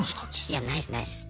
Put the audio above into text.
いやないっすないっす。